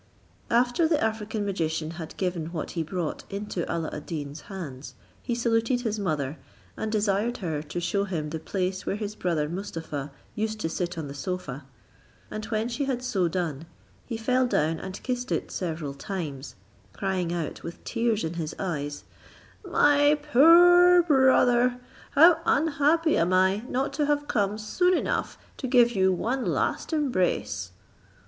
After the African magician had given what he brought into Alla ad Deen's hands, he saluted his mother, and desired her to shew him the place where his brother Mustapha used to sit on the sofa; and when she had so done, he fell down and kissed it several times, crying out with tears in his eyes, "My poor brother! How unhappy am I, not to have come soon enough to give you one last embrace."